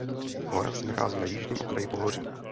Hora se nachází na jižním okraji pohoří.